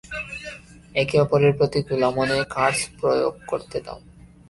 একে অপরের প্রতি খোলা মনে কার্স প্রয়োগ করতে দাও!